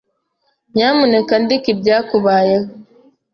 Nyamuneka andika ibyakubayeho.